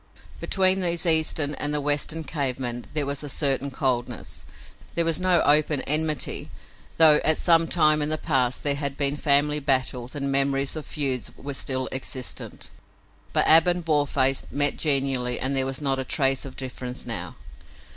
Between these Eastern and the Western cave men there was a certain coldness. There was no open enmity, though at some time in the past there had been family battles and memories of feuds were still existent. But Ab and Boarface met genially and there was not a trace of difference now.